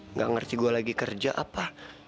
nggak ngerti gue lagi kerja apa